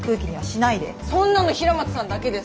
そんなの平松さんだけですから。